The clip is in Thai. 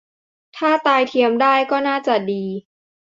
ถ้าตายเทียมได้ ก็น่าจะดี